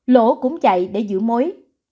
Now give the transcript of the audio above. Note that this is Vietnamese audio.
lỗ cũng chạy để giữ mối